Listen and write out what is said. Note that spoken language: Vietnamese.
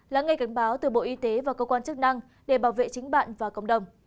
lắng nghe cảnh báo từ bộ y tế và cơ quan chức năng để bảo vệ chính bạn và cộng đồng